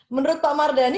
menurut pak mardhani